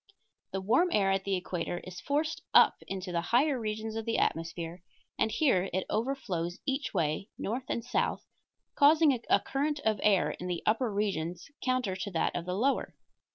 The warm air at the equator is forced up into the higher regions of the atmosphere, and here it overflows each way, north and south, causing a current of air in the upper regions counter to that of the lower.